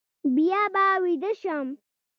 بیا به ویده شم.